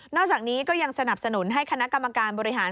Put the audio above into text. อกจากนี้ก็ยังสนับสนุนให้คณะกรรมการบริหาร